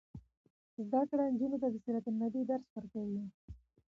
زده کړه نجونو ته د سیرت النبي درس ورکوي.